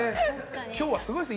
今日はすごいですね。